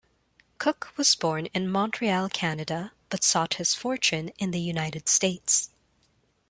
Cooke was born in Montreal, Canada, but sought his fortune in the United States.